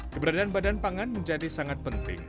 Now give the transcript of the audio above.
keberadaan badan pangan menjadi sangat penting